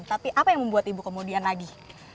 tapi apa yang membuat ibu kemudian nagih